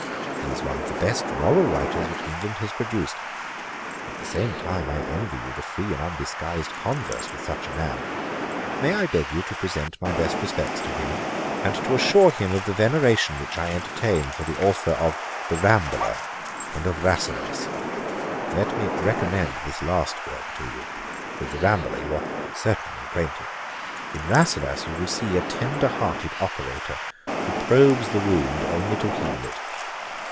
He is one of the best moral writers which England has produced. At the same time, I envy you the free and undisguised converse with such a man. May I beg you to present my best respects to him, and to assure him of the veneration which I entertain for the authour of the Rambler and of Rasselas? Let me recommend this last work to you; with the Rambler you certainly are acquainted. In Rasselas you will see a tender hearted operator, who probes the wound only to heal it.